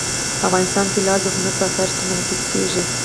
افغانستان کې لعل د هنر په اثار کې منعکس کېږي.